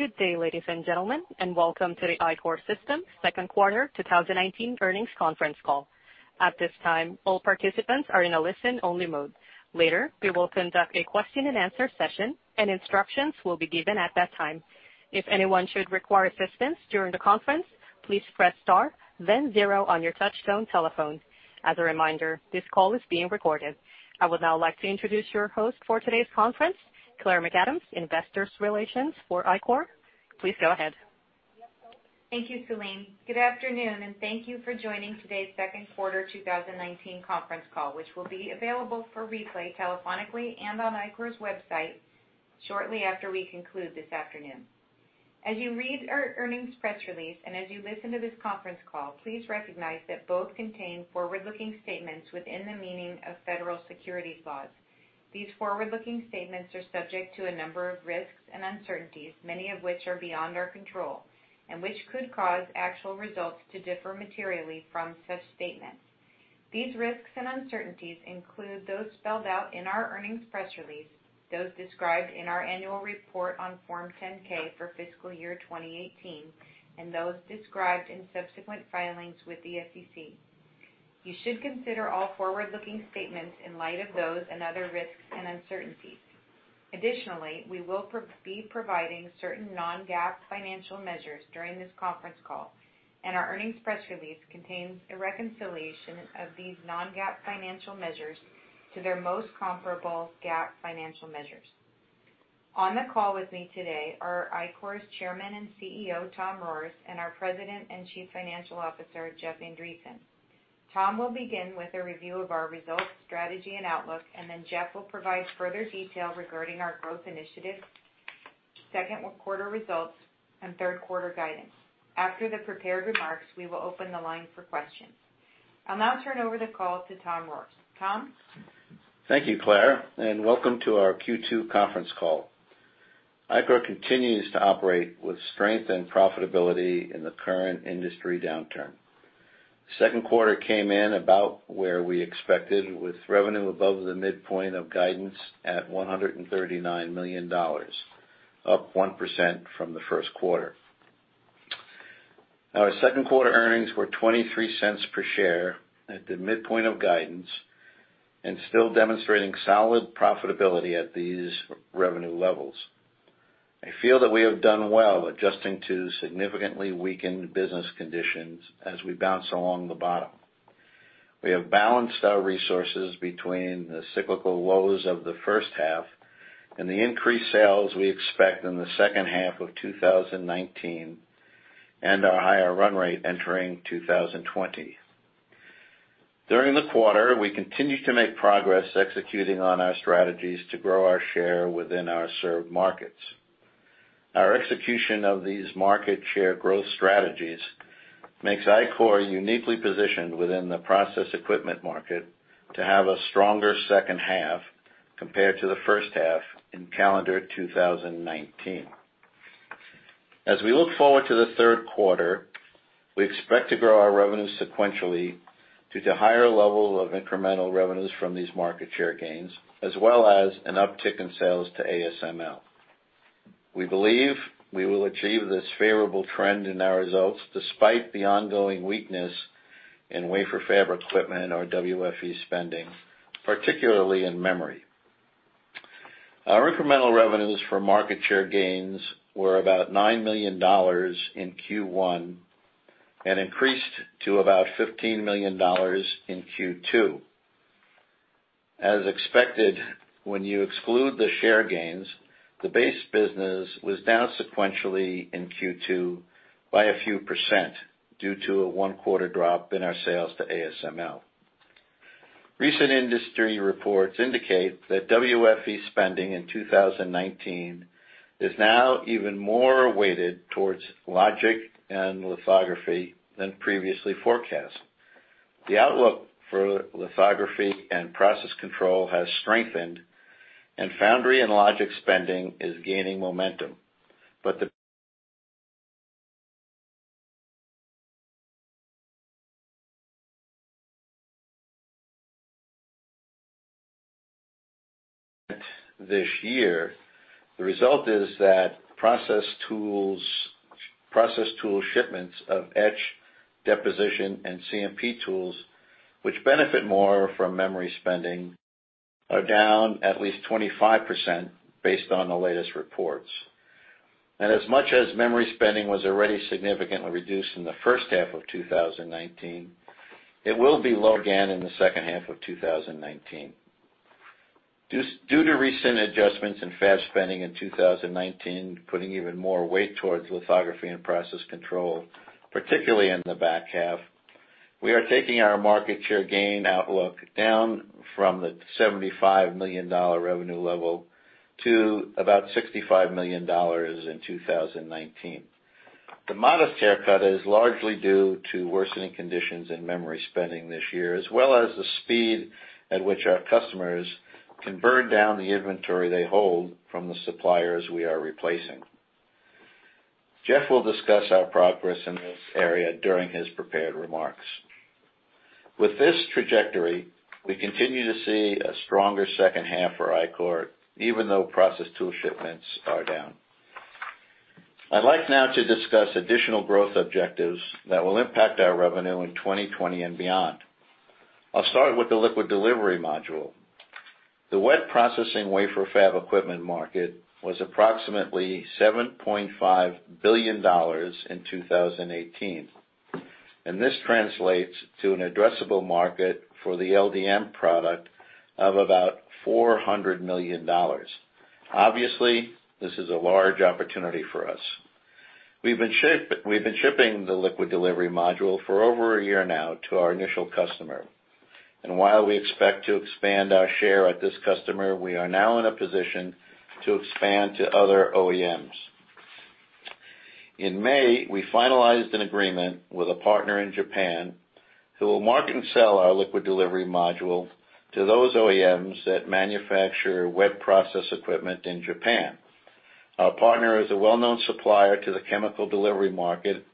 Good day, ladies and gentlemen, welcome to the Ichor Systems second quarter 2019 earnings conference call. At this time, all participants are in a listen-only mode. Later, we will conduct a question and answer session, and instructions will be given at that time. If anyone should require assistance during the conference, please press star then zero on your touchtone telephone. As a reminder, this call is being recorded. I would now like to introduce your host for today's conference, Claire McAdams, Investor Relations for Ichor. Please go ahead. Thank you, Celine. Good afternoon, and thank you for joining today's second quarter 2019 conference call, which will be available for replay telephonically and on Ichor's website shortly after we conclude this afternoon. As you read our earnings press release, and as you listen to this conference call, please recognize that both contain forward-looking statements within the meaning of federal securities laws. These forward-looking statements are subject to a number of risks and uncertainties, many of which are beyond our control, and which could cause actual results to differ materially from such statements. These risks and uncertainties include those spelled out in our earnings press release, those described in our annual report on Form 10-K for fiscal year 2018, and those described in subsequent filings with the SEC. You should consider all forward-looking statements in light of those and other risks and uncertainties. Additionally, we will be providing certain non-GAAP financial measures during this conference call, and our earnings press release contains a reconciliation of these non-GAAP financial measures to their most comparable GAAP financial measures. On the call with me today are Ichor's Chairman and CEO, Tom Rohrs, and our President and Chief Financial Officer, Jeff Andreson. Tom will begin with a review of our results, strategy, and outlook, then Jeff will provide further detail regarding our growth initiatives, second quarter results, and third quarter guidance. After the prepared remarks, we will open the line for questions. I'll now turn over the call to Tom Rohrs. Tom? Thank you, Claire, and welcome to our Q2 conference call. Ichor continues to operate with strength and profitability in the current industry downturn. Second quarter came in about where we expected, with revenue above the midpoint of guidance at $139 million, up 1% from the first quarter. Our second quarter earnings were $0.23 per share at the midpoint of guidance and still demonstrating solid profitability at these revenue levels. I feel that we have done well adjusting to significantly weakened business conditions as we bounce along the bottom. We have balanced our resources between the cyclical lows of the first half and the increased sales we expect in the second half of 2019 and our higher run rate entering 2020. During the quarter, we continued to make progress executing on our strategies to grow our share within our served markets. Our execution of these market share growth strategies makes Ichor uniquely positioned within the process equipment market to have a stronger second half compared to the first half in calendar 2019. As we look forward to the third quarter, we expect to grow our revenues sequentially due to higher level of incremental revenues from these market share gains, as well as an uptick in sales to ASML. We believe we will achieve this favorable trend in our results despite the ongoing weakness in wafer fab equipment or WFE spending, particularly in memory. Our incremental revenues for market share gains were about $9 million in Q1 and increased to about $15 million in Q2. As expected, when you exclude the share gains, the base business was down sequentially in Q2 by a few percent due to a one-quarter drop in our sales to ASML. Recent industry reports indicate that WFE spending in 2019 is now even more weighted towards logic and lithography than previously forecast. The outlook for lithography and process control has strengthened, and foundry and logic spending is gaining momentum. This year, the result is that process tool shipments of etch, deposition, and CMP tools, which benefit more from memory spending, are down at least 25% based on the latest reports. As much as memory spending was already significantly reduced in the first half of 2019, it will be low again in the second half of 2019. Due to recent adjustments in fab spending in 2019, putting even more weight towards lithography and process control, particularly in the back half, we are taking our market share gain outlook down from the $75 million revenue level to about $65 million in 2019. The modest haircut is largely due to worsening conditions in memory spending this year, as well as the speed at which our customers can burn down the inventory they hold from the suppliers we are replacing. Jeff will discuss our progress in this area during his prepared remarks. With this trajectory, we continue to see a stronger second half for Ichor, even though process tool shipments are down. I'd like now to discuss additional growth objectives that will impact our revenue in 2020 and beyond. I'll start with the liquid delivery module. The wet processing wafer fab equipment market was approximately $7.5 billion in 2018, and this translates to an addressable market for the LDM product of about $400 million. Obviously, this is a large opportunity for us. We've been shipping the liquid delivery module for over a year now to our initial customer. While we expect to expand our share at this customer, we are now in a position to expand to other OEMs. In May, we finalized an agreement with a partner in Japan who will market and sell our liquid delivery module to those OEMs that manufacture wet processing equipment in Japan. Our partner is a well-known supplier to the chemical delivery market,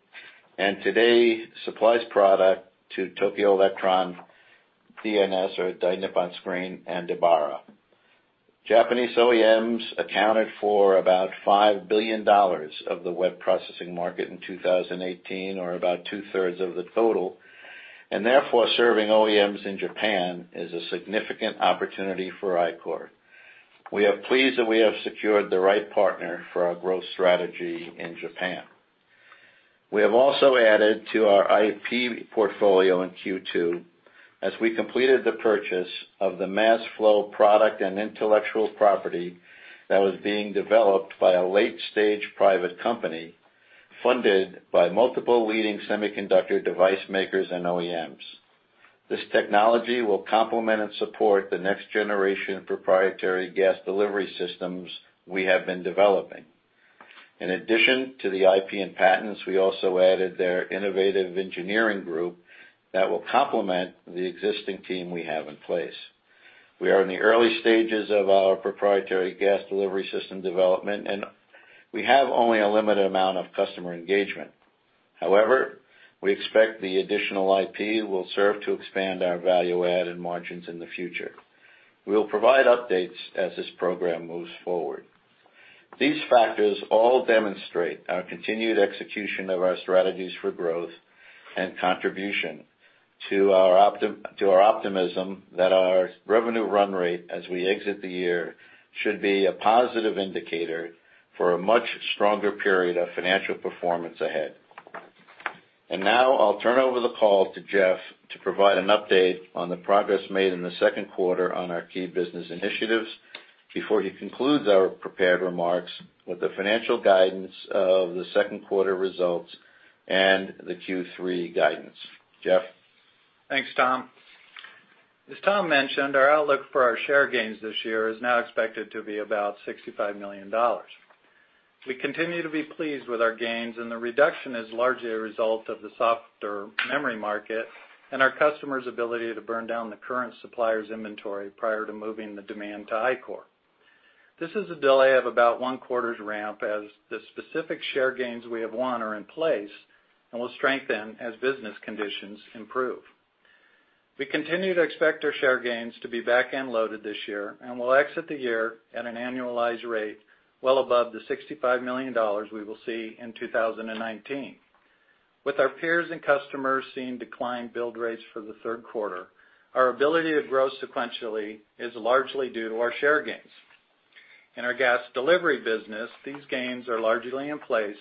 and today supplies product to Tokyo Electron, DNS or Dai Nippon Screen, and Ebara. Japanese OEMs accounted for about $5 billion of the wet processing market in 2018, or about two-thirds of the total, and therefore serving OEMs in Japan is a significant opportunity for Ichor. We are pleased that we have secured the right partner for our growth strategy in Japan. We have also added to our IP portfolio in Q2 as we completed the purchase of the mass flow product and intellectual property that was being developed by a late-stage private company funded by multiple leading semiconductor device makers and OEMs. This technology will complement and support the next generation of proprietary gas delivery systems we have been developing. In addition to the IP and patents, we also added their innovative engineering group that will complement the existing team we have in place. We are in the early stages of our proprietary gas delivery system development, and we have only a limited amount of customer engagement. However, we expect the additional IP will serve to expand our value add and margins in the future. We'll provide updates as this program moves forward. These factors all demonstrate our continued execution of our strategies for growth and contribution to our optimism that our revenue run rate as we exit the year should be a positive indicator for a much stronger period of financial performance ahead. Now I'll turn over the call to Jeff to provide an update on the progress made in the second quarter on our key business initiatives before he concludes our prepared remarks with the financial guidance of the second quarter results and the Q3 guidance. Jeff? Thanks, Tom. As Tom mentioned, our outlook for our share gains this year is now expected to be about $65 million. We continue to be pleased with our gains, and the reduction is largely a result of the softer memory market and our customers' ability to burn down the current suppliers' inventory prior to moving the demand to Ichor. This is a delay of about one quarter's ramp as the specific share gains we have won are in place and will strengthen as business conditions improve. We continue to expect our share gains to be back-end loaded this year and will exit the year at an annualized rate well above the $65 million we will see in 2019. With our peers and customers seeing declined build rates for the third quarter, our ability to grow sequentially is largely due to our share gains. In our gas delivery business, these gains are largely in place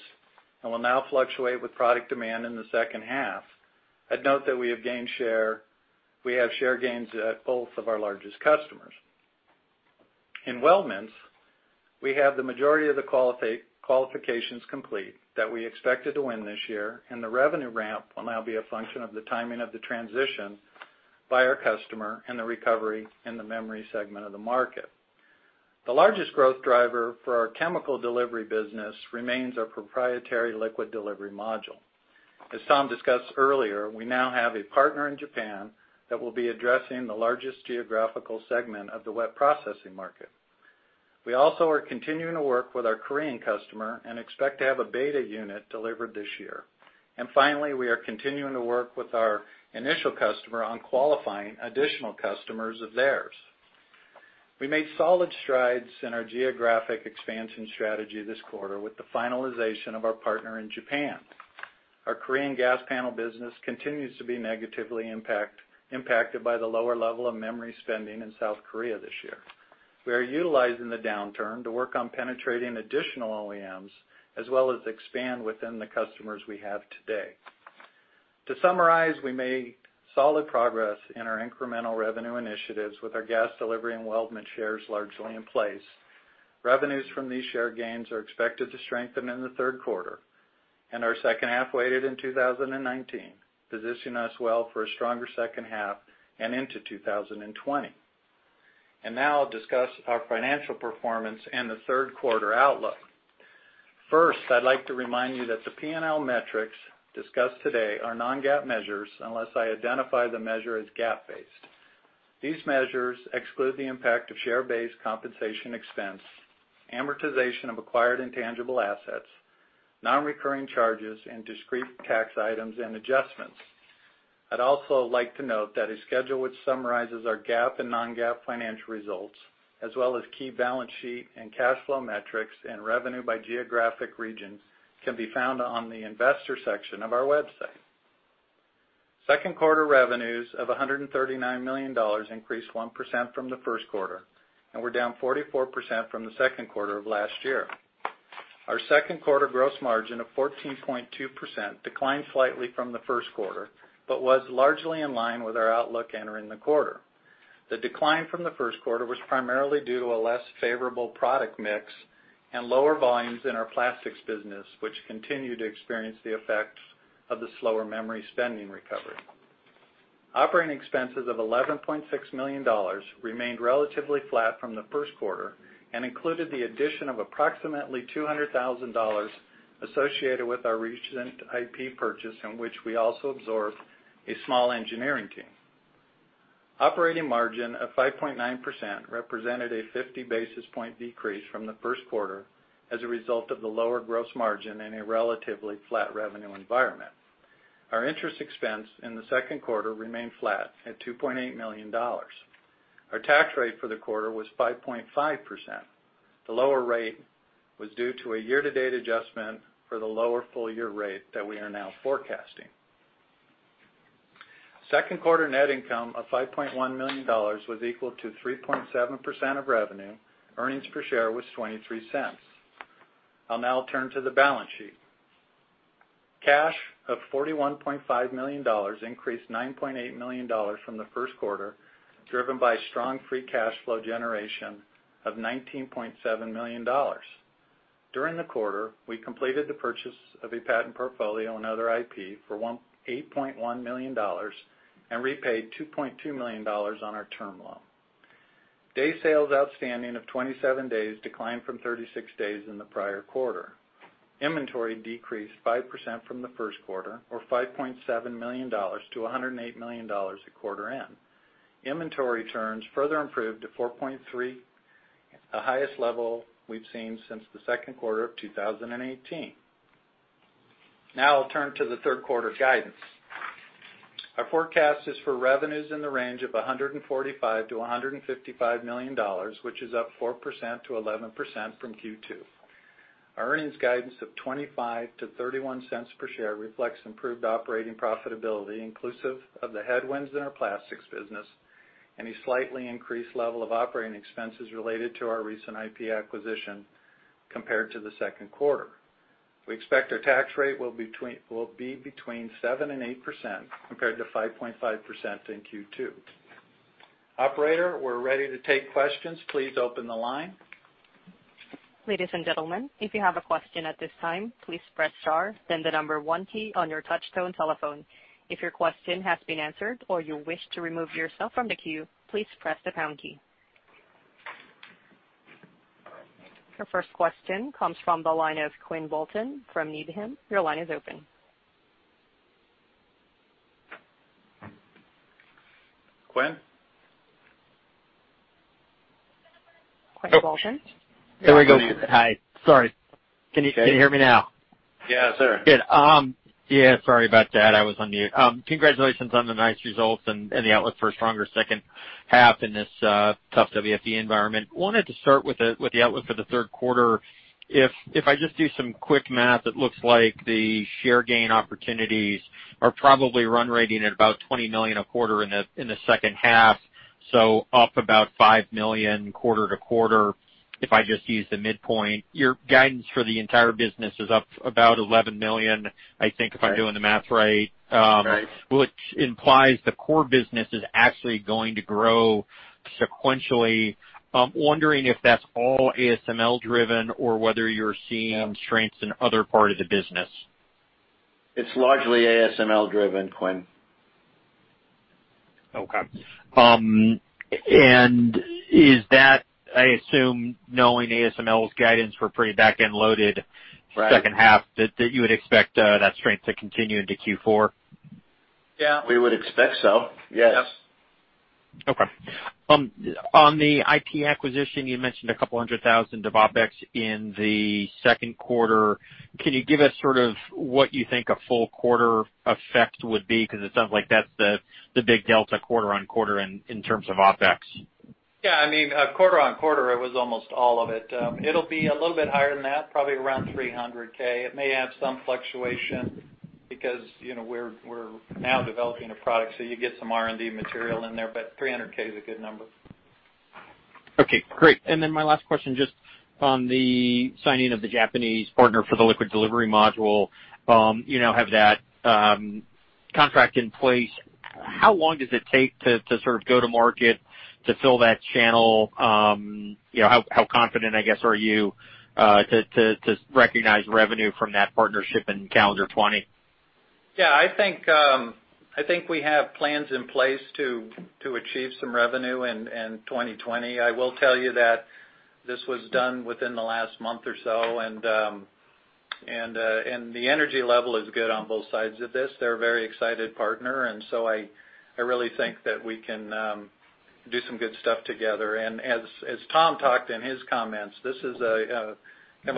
and will now fluctuate with product demand in the second half. I'd note that we have share gains at both of our largest customers. In weldments, we have the majority of the qualifications complete that we expected to win this year, and the revenue ramp will now be a function of the timing of the transition by our customer and the recovery in the memory segment of the market. The largest growth driver for our chemical delivery business remains our proprietary liquid delivery module. As Tom discussed earlier, we now have a partner in Japan that will be addressing the largest geographical segment of the wet processing market. We also are continuing to work with our Korean customer and expect to have a beta unit delivered this year. Finally, we are continuing to work with our initial customer on qualifying additional customers of theirs. We made solid strides in our geographic expansion strategy this quarter with the finalization of our partner in Japan. Our Korean gas panel business continues to be negatively impacted by the lower level of memory spending in South Korea this year. We are utilizing the downturn to work on penetrating additional OEMs, as well as expand within the customers we have today. To summarize, we made solid progress in our incremental revenue initiatives with our gas delivery and weldment shares largely in place. Revenues from these share gains are expected to strengthen in the third quarter and are second-half weighted in 2019, positioning us well for a stronger second half and into 2020. Now I'll discuss our financial performance and the third quarter outlook. First, I'd like to remind you that the P&L metrics discussed today are non-GAAP measures unless I identify the measure as GAAP based. These measures exclude the impact of share-based compensation expense, amortization of acquired intangible assets, non-recurring charges, and discrete tax items and adjustments. I'd also like to note that a schedule which summarizes our GAAP and non-GAAP financial results, as well as key balance sheet and cash flow metrics and revenue by geographic regions, can be found on the investor section of our website. Second quarter revenues of $139 million increased 1% from the first quarter, were down 44% from the second quarter of last year. Our second quarter gross margin of 14.2% declined slightly from the first quarter, was largely in line with our outlook entering the quarter. The decline from the first quarter was primarily due to a less favorable product mix and lower volumes in our plastics business, which continue to experience the effects of the slower memory spending recovery. Operating expenses of $11.6 million remained relatively flat from the first quarter and included the addition of approximately $200,000 associated with our recent IP purchase, in which we also absorbed a small engineering team. Operating margin of 5.9% represented a 50 basis point decrease from the first quarter as a result of the lower gross margin in a relatively flat revenue environment. Our interest expense in the second quarter remained flat at $2.8 million. Our tax rate for the quarter was 5.5%. The lower rate was due to a year-to-date adjustment for the lower full-year rate that we are now forecasting. Second quarter net income of $5.1 million was equal to 3.7% of revenue. Earnings per share was $0.23. I'll now turn to the balance sheet. Cash of $41.5 million increased $9.8 million from the first quarter, driven by strong free cash flow generation of $19.7 million. During the quarter, we completed the purchase of a patent portfolio and other IP for $8.1 million and repaid $2.2 million on our term loan. Day sales outstanding of 27 days declined from 36 days in the prior quarter. Inventory decreased 5% from the first quarter or $5.7 million to $108 million at quarter end. Inventory turns further improved to 4.3%, the highest level we've seen since the second quarter of 2018. I'll turn to the third quarter guidance. Our forecast is for revenues in the range of $145 million-$155 million, which is up 4%-11% from Q2. Our earnings guidance of $0.25-$0.31 per share reflects improved operating profitability inclusive of the headwinds in our plastics business, and a slightly increased level of operating expenses related to our recent IP acquisition compared to the second quarter. We expect our tax rate will be between 7% and 8%, compared to 5.5% in Q2. Operator, we're ready to take questions. Please open the line. Ladies and gentlemen, if you have a question at this time, please press star then the number one key on your touchtone telephone. If your question has been answered or you wish to remove yourself from the queue, please press the pound key. Your first question comes from the line of Quinn Bolton from Needham. Your line is open. Quinn? Quinn Bolton? There we go. Hi. Sorry. Can you hear me now? Yes, sir. Good. Yeah, sorry about that. I was on mute. Congratulations on the nice results and the outlook for a stronger second half in this tough WFE environment. I wanted to start with the outlook for the third quarter. If I just do some quick math, it looks like the share gain opportunities are probably run rating at about $20 million a quarter in the second half, so up about $5 million quarter-to-quarter if I just use the midpoint. Your guidance for the entire business is up about $11 million, I think, if I'm doing the math right. Right. Which implies the core business is actually going to grow sequentially. I'm wondering if that's all ASML driven or whether you're seeing strengths in other parts of the business. It's largely ASML driven, Quinn. Okay. Is that, I assume, knowing ASML's guidance, we're pretty back-end loaded- Right second half, that you would expect that strength to continue into Q4? Yeah, we would expect so. Yes. Okay. On the IP acquisition, you mentioned $a couple hundred thousand of OpEx in the second quarter. Can you give us sort of what you think a full quarter effect would be? It sounds like that's the big delta quarter-on-quarter in terms of OpEx. Yeah, quarter-on-quarter, it was almost all of it. It'll be a little bit higher than that, probably around $300K. It may have some fluctuation because we're now developing a product, so you get some R&D material in there, but $300K is a good number. Okay, great. My last question, just on the signing of the Japanese partner for the liquid delivery module, have that contract in place, how long does it take to sort of go to market to fill that channel? How confident, I guess, are you to recognize revenue from that partnership in calendar 2020? I think we have plans in place to achieve some revenue in 2020. I will tell you that this was done within the last month or so. The energy level is good on both sides of this. They're a very excited partner. I really think that we can do some good stuff together. As Tom talked in his comments, this is kind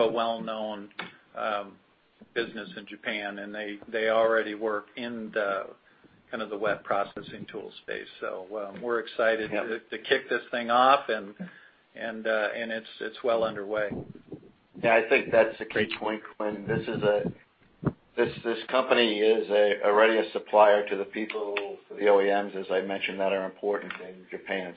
of a well-known business in Japan, and they already work in the wet processing tool space. We're excited to kick this thing off, and it's well underway. Yeah, I think that's a great point, Quinn. This company is already a supplier to the people, the OEMs, as I mentioned, that are important in Japan.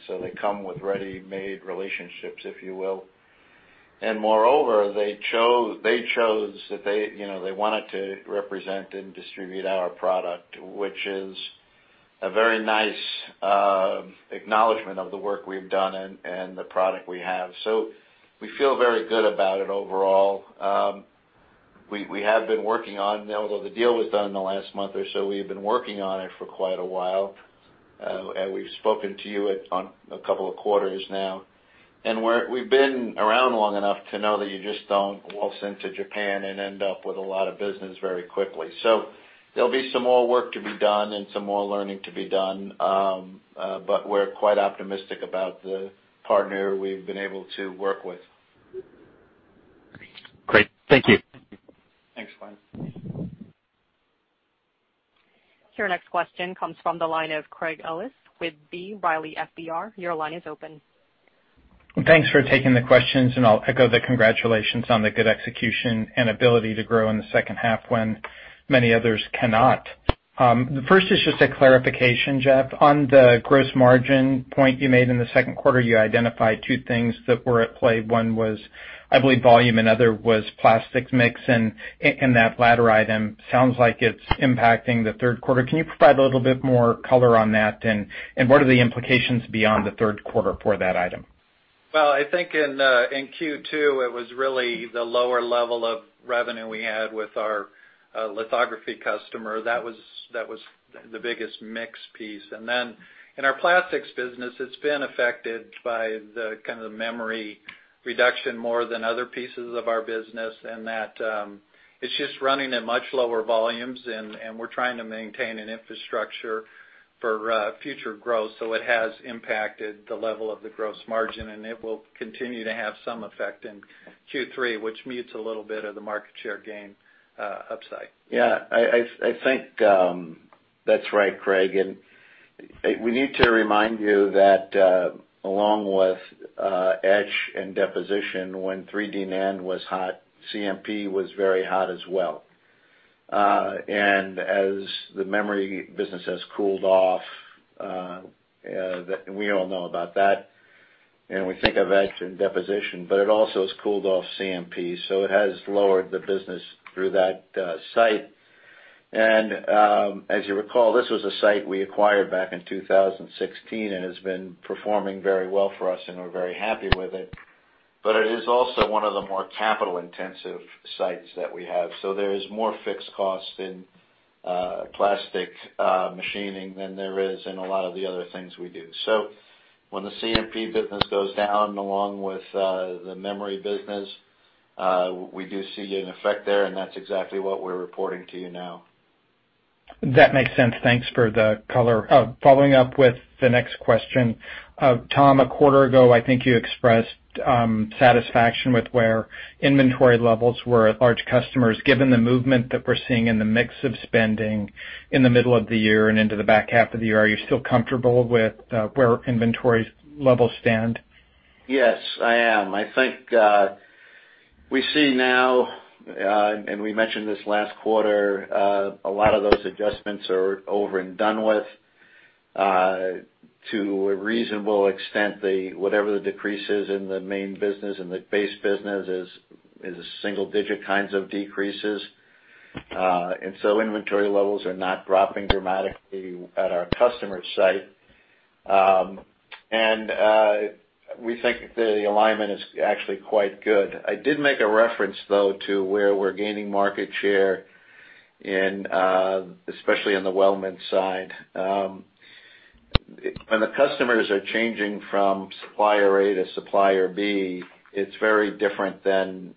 Moreover, they chose that they wanted to represent and distribute our product, which is a very nice acknowledgement of the work we've done and the product we have. We feel very good about it overall. We have been working on, although the deal was done in the last month or so, we have been working on it for quite a while. We've spoken to you on a couple of quarters now. We've been around long enough to know that you just don't waltz into Japan and end up with a lot of business very quickly. There'll be some more work to be done and some more learning to be done. We're quite optimistic about the partner we've been able to work with. Great. Thank you. Thanks, Quinn. Your next question comes from the line of Craig Ellis with B. Riley FBR. Your line is open. Thanks for taking the questions, and I'll echo the congratulations on the good execution and ability to grow in the second half when many others cannot. The first is just a clarification, Jeff. On the gross margin point you made in the second quarter, you identified two things that were at play. One was, I believe, volume, another was plastics mix, and that latter item sounds like it's impacting the third quarter. Can you provide a little bit more color on that, and what are the implications beyond the third quarter for that item? Well, I think in Q2, it was really the lower level of revenue we had with our lithography customer. That was the biggest mix piece. In our plastics business, it's been affected by the kind of memory reduction more than other pieces of our business, in that it's just running at much lower volumes, and we're trying to maintain an infrastructure for future growth. It has impacted the level of the gross margin, and it will continue to have some effect in Q3, which mutes a little bit of the market share gain upside. Yeah, I think that's right, Craig. We need to remind you that along with etch and deposition, when 3D NAND was hot, CMP was very hot as well. As the memory business has cooled off, we all know about that, and we think of etch and deposition, but it also has cooled off CMP. It has lowered the business through that site. As you recall, this was a site we acquired back in 2016 and has been performing very well for us, and we're very happy with it. It is also one of the more capital-intensive sites that we have. There is more fixed cost in precision machining than there is in a lot of the other things we do. When the CMP business goes down along with the memory business, we do see an effect there, and that's exactly what we're reporting to you now. That makes sense. Thanks for the color. Following up with the next question. Tom, a quarter ago, I think you expressed satisfaction with where inventory levels were at large customers. Given the movement that we're seeing in the mix of spending in the middle of the year and into the back half of the year, are you still comfortable with where inventory levels stand? Yes, I am. I think we see now, and we mentioned this last quarter, a lot of those adjustments are over and done with. To a reasonable extent, whatever the decreases in the main business, in the base business, is a single-digit kinds of decreases. Inventory levels are not dropping dramatically at our customer site. We think the alignment is actually quite good. I did make a reference, though, to where we're gaining market share, especially on the weldment side. When the customers are changing from supplier A to supplier B, it's very different than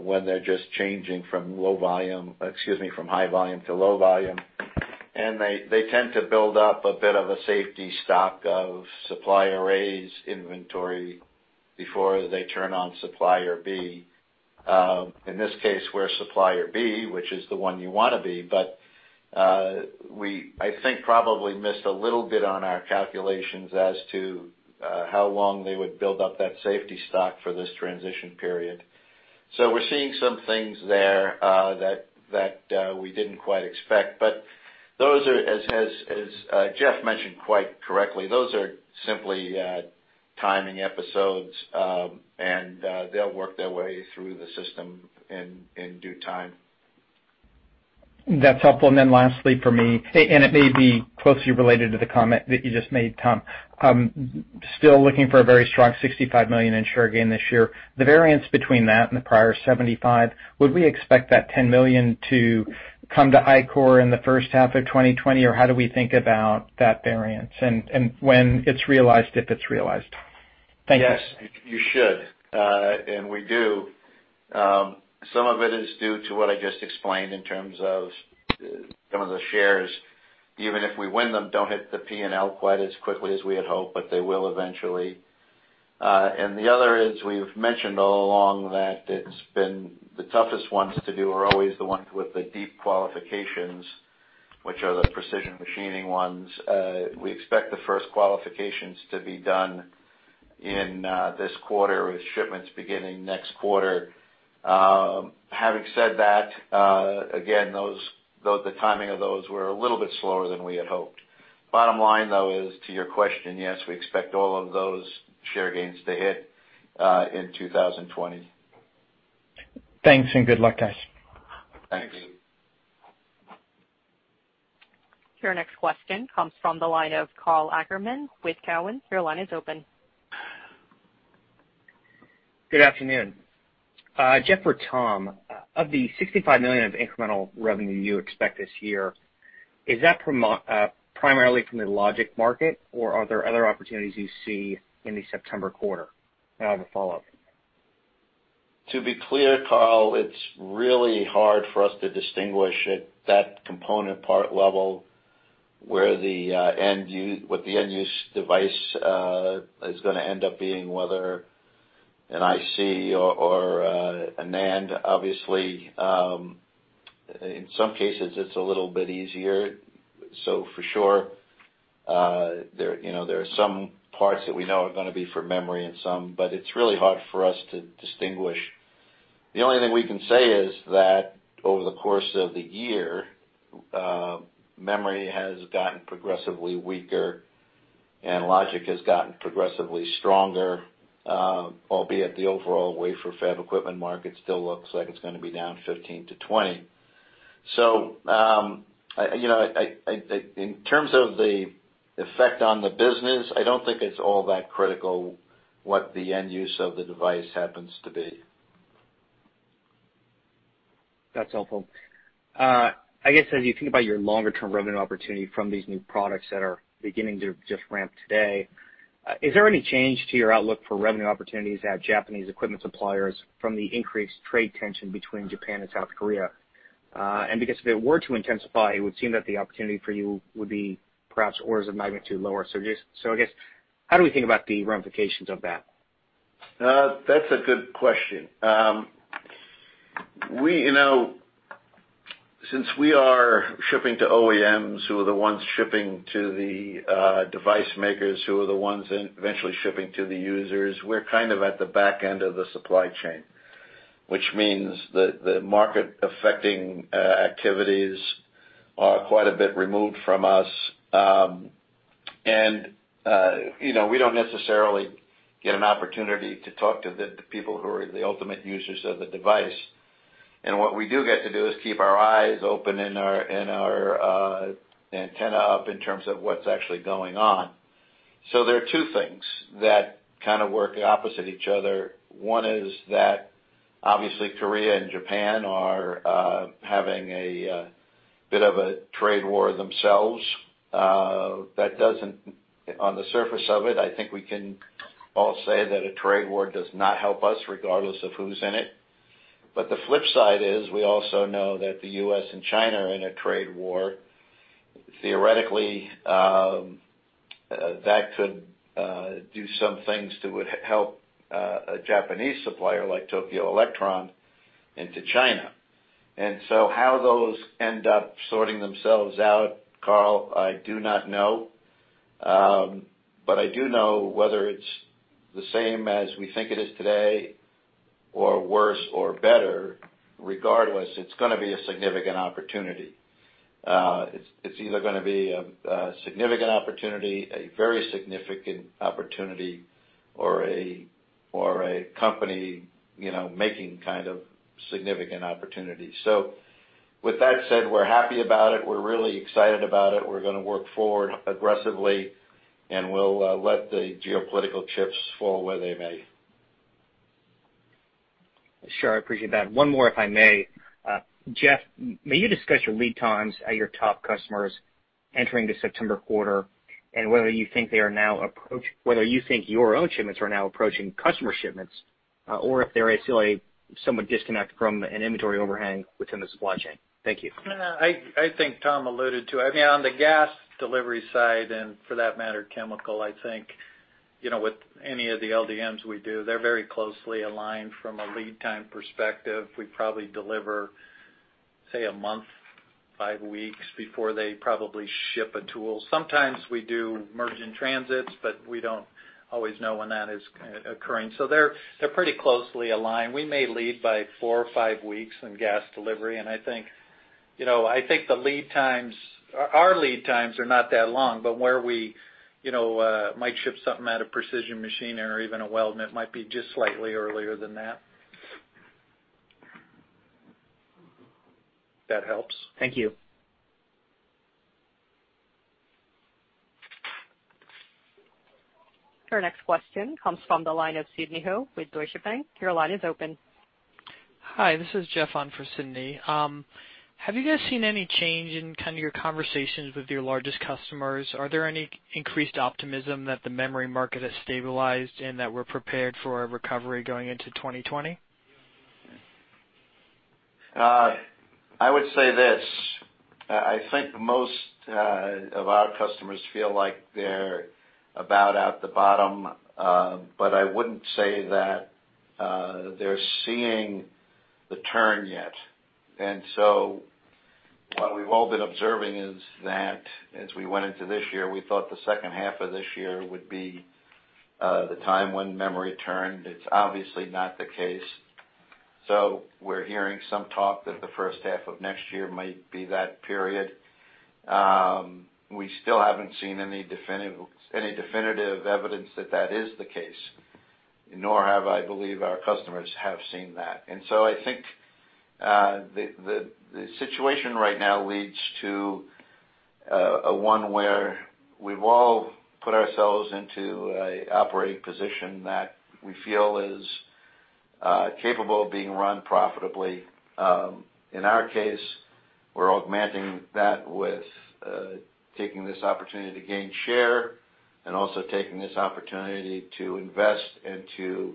when they're just changing from high volume to low volume. They tend to build up a bit of a safety stock of supplier A's inventory before they turn on supplier B. In this case, we're supplier B, which is the one you want to be, but we, I think, probably missed a little bit on our calculations as to how long they would build up that safety stock for this transition period. We're seeing some things there that we didn't quite expect. Those are, as Jeff mentioned quite correctly, those are simply timing episodes, and they'll work their way through the system in due time. That's helpful. Lastly for me, and it may be closely related to the comment that you just made, Tom, still looking for a very strong $65 million in share gain this year. The variance between that and the prior $75 million, would we expect that $10 million to come to Ichor in the first half of 2020, or how do we think about that variance, and when it's realized, if it's realized? Yes, you should. We do. Some of it is due to what I just explained in terms of some of the shares, even if we win them, don't hit the P&L quite as quickly as we had hoped, but they will eventually. The other is, we've mentioned all along that it's been the toughest ones to do are always the ones with the deep qualifications, which are the precision machining ones. We expect the first qualifications to be done in this quarter with shipments beginning next quarter. Having said that, again, the timing of those were a little bit slower than we had hoped. Bottom line, though, is to your question, yes, we expect all of those share gains to hit in 2020. Thanks, and good luck, guys. Thanks. Your next question comes from the line of Karl Ackerman with Cowen. Your line is open. Good afternoon. Jeff or Tom, of the $65 million of incremental revenue you expect this year, is that primarily from the logic market, or are there other opportunities you see in the September quarter? I have a follow-up. To be clear, Karl, it's really hard for us to distinguish at that component part level what the end-use device is going to end up being, whether an IC or a NAND. Obviously, in some cases it's a little bit easier. For sure there are some parts that we know are going to be for memory and some, but it's really hard for us to distinguish. The only thing we can say is that over the course of the year, memory has gotten progressively weaker, and logic has gotten progressively stronger, albeit the overall wafer fab equipment market still looks like it's going to be down 15%-20%. In terms of the effect on the business, I don't think it's all that critical what the end use of the device happens to be. That's helpful. I guess as you think about your longer-term revenue opportunity from these new products that are beginning to just ramp today, is there any change to your outlook for revenue opportunities at Japanese equipment suppliers from the increased trade tension between Japan and South Korea? Because if it were to intensify, it would seem that the opportunity for you would be perhaps orders of magnitude lower. I guess, how do we think about the ramifications of that? That's a good question. Since we are shipping to OEMs, who are the ones shipping to the device makers, who are the ones eventually shipping to the users, we're kind of at the back end of the supply chain, which means the market-affecting activities are quite a bit removed from us. We don't necessarily get an opportunity to talk to the people who are the ultimate users of the device. What we do get to do is keep our eyes open and our antenna up in terms of what's actually going on. There are two things that kind of work opposite each other. One is that obviously Korea and Japan are having a bit of a trade war themselves. On the surface of it, I think we can all say that a trade war does not help us, regardless of who's in it. The flip side is we also know that the U.S. and China are in a trade war. Theoretically, that could do some things to help a Japanese supplier like Tokyo Electron into China. How those end up sorting themselves out, Karl, I do not know. I do know whether it's the same as we think it is today, or worse or better, regardless, it's going to be a significant opportunity. It's either going to be a significant opportunity, a very significant opportunity, or a company making kind of significant opportunities. With that said, we're happy about it. We're really excited about it. We're going to work forward aggressively, and we'll let the geopolitical chips fall where they may. Sure. I appreciate that. One more, if I may. Jeff, may you discuss your lead times at your top customers entering the September quarter and whether you think your own shipments are now approaching customer shipments, or if there is still a somewhat disconnect from an inventory overhang within the supply chain. Thank you. I think Tom alluded to it. On the gas delivery side, and for that matter, chemical, I think, with any of the LDMs we do, they're very closely aligned from a lead time perspective. We probably deliver, say a month, five weeks before they probably ship a tool. Sometimes we do merge in transits, but we don't always know when that is occurring. They're pretty closely aligned. We may lead by four or five weeks in gas delivery, and I think our lead times are not that long, but where we might ship something out of precision machine or even a weld, and it might be just slightly earlier than that. That helps. Thank you. Our next question comes from the line of Sidney Ho with Deutsche Bank. Your line is open. Hi, this is Jeff on for Sidney. Have you guys seen any change in your conversations with your largest customers? Are there any increased optimism that the memory market has stabilized and that we're prepared for a recovery going into 2020? I would say this, I think most of our customers feel like they're about at the bottom. I wouldn't say that they're seeing the turn yet. What we've all been observing is that as we went into this year, we thought the second half of this year would be the time when memory turned. It's obviously not the case. We're hearing some talk that the first half of next year might be that period. We still haven't seen any definitive evidence that that is the case, nor have I believe our customers have seen that. I think the situation right now leads to one where we've all put ourselves into an operating position that we feel is capable of being run profitably. In our case, we're augmenting that with taking this opportunity to gain share and also taking this opportunity to invest and to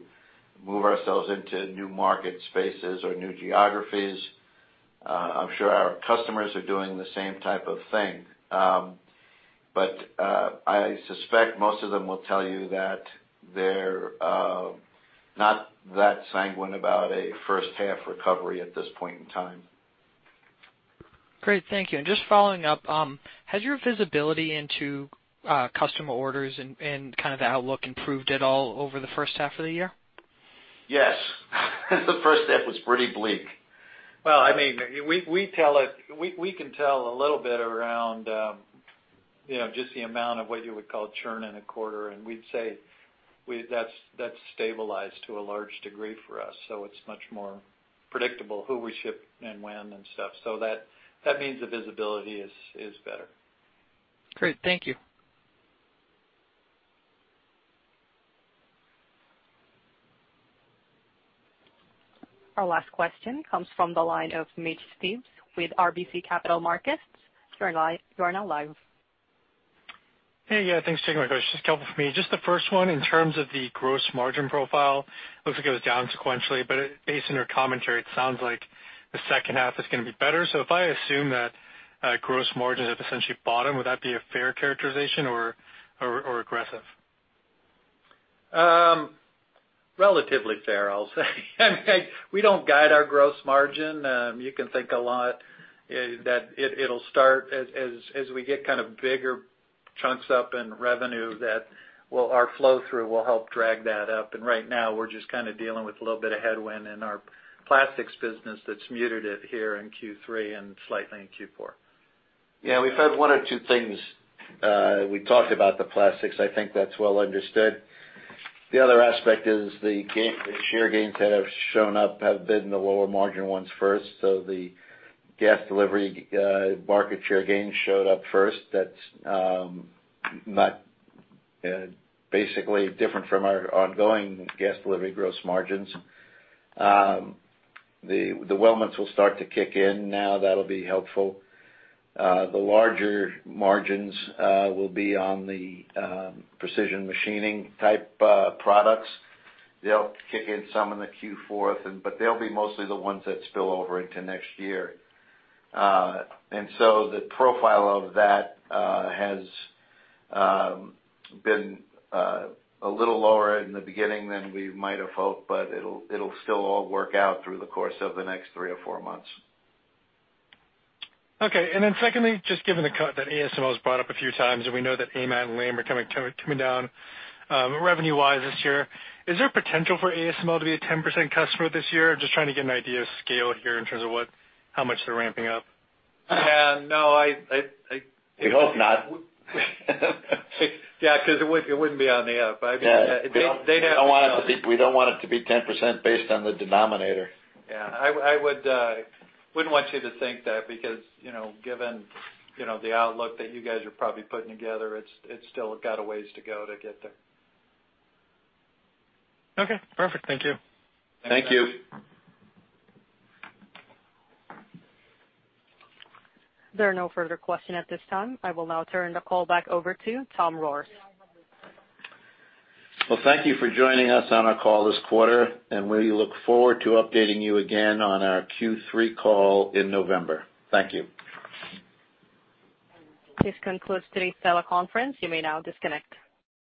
move ourselves into new market spaces or new geographies. I'm sure our customers are doing the same type of thing. I suspect most of them will tell you that they're not that sanguine about a first-half recovery at this point in time. Great. Thank you. Just following up, has your visibility into customer orders and kind of the outlook improved at all over the first half of the year? Yes. The first half was pretty bleak. Well, we can tell a little bit around just the amount of what you would call churn in a quarter, and we'd say that's stabilized to a large degree for us. It's much more predictable who we ship and when and stuff. That means the visibility is better. Great. Thank you. Our last question comes from the line of Mitch Steves with RBC Capital Markets. You are now live. Hey. Yeah, thanks for taking my questions. Just a couple from me. Just the first one, in terms of the gross margin profile, looks like it was down sequentially. Based on your commentary, it sounds like the second half is going to be better. If I assume that gross margins have essentially bottomed, would that be a fair characterization or aggressive? Relatively fair, I'll say. We don't guide our gross margin. You can think a lot that it'll start as we get kind of bigger chunks up in revenue, that our flow-through will help drag that up. Right now, we're just kind of dealing with a little bit of headwind in our plastics business that's muted it here in Q3 and slightly in Q4. Yeah, we've had one or two things. We talked about the plastics, I think that's well understood. The other aspect is the share gains that have shown up have been the lower margin ones first. The gas delivery market share gains showed up first. That's basically different from our ongoing gas delivery gross margins. The weldments will start to kick in now. That'll be helpful. The larger margins will be on the precision machining type products. They'll kick in some in the Q4, they'll be mostly the ones that spill over into next year. The profile of that has been a little lower in the beginning than we might have hoped, it'll still all work out through the course of the next three or four months. Okay. Secondly, just given that ASML is brought up a few times, and we know that KLA and Lam are coming down revenue-wise this year, is there potential for ASML to be a 10% customer this year? Just trying to get an idea of scale here in terms of how much they're ramping up. Yeah, no. We hope not. Yeah, because it wouldn't be on the up. We don't want it to be 10% based on the denominator. Yeah. I wouldn't want you to think that because given the outlook that you guys are probably putting together, it's still got a ways to go to get there. Okay, perfect. Thank you. Thank you. There are no further questions at this time. I will now turn the call back over to Tom Rohrs. Well, thank you for joining us on our call this quarter, and we look forward to updating you again on our Q3 call in November. Thank you. This concludes today's teleconference. You may now disconnect.